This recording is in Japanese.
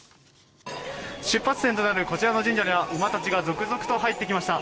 出発点となるこちらの神社には馬たちが続々と入ってきました。